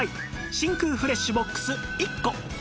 真空フレッシュボックス１個